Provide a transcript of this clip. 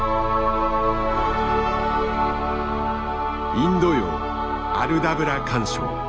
インド洋アルダブラ環礁。